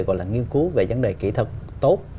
gọi là nghiên cứu về vấn đề kỹ thuật tốt